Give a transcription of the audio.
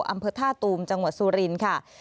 อำเภอท่าตูมจังหวัดสุรินทร์ค่ะ